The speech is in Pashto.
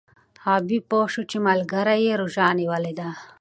غابي پوه شو چې ملګری یې روژه نیولې ده.